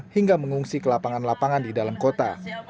hingga mengungsi ke lapangan lapangan di dalam kota